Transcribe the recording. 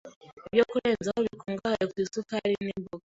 Ibyo Kurenzaho Bikungahaye ku Isukari n’Imboga